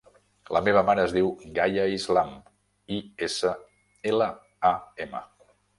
La meva mare es diu Gaia Islam: i, essa, ela, a, ema.